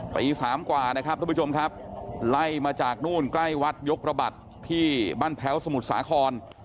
ปี๓กว่านะครับทุกผู้ชมครับไล่มาจากนู่นใกล้วัดยกระบัดที่บ้านแพ้วสมุทรสาคร